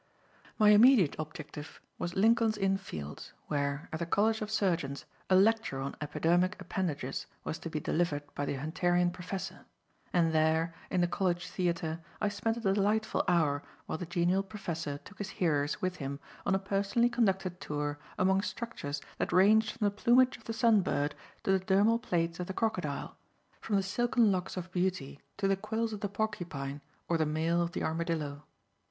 My immediate objective was Lincoln's Inn Fields, where, at the College of Surgeons, a lecture on Epidermic Appendages was to be delivered by the Hunterian Professor; and there, in the college theatre, I spent a delightful hour while the genial professor took his hearers with him on a personally conducted tour among structures that ranged from the plumage of the sun bird to the dermal plates of the crocodile, from the silken locks of beauty to the quills of the porcupine or the mail of the armadillo.